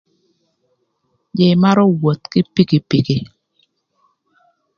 Jïï marö woth kï pikipiki.